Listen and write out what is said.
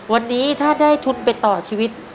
วันนี้ถ้าได้ทุนไปต่อชีวิต